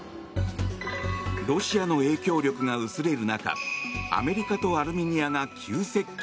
ロシアの影響力が薄れる中アメリカとアルメニアが急接近。